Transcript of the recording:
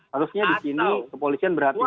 harusnya di sini kepolisian berhati hati